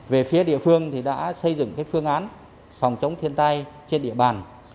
về phía địa phương thì đã xây dựng phương án phòng chống thiên tai trên địa bàn